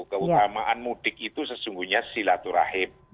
keutamaan mudik itu sesungguhnya silaturahim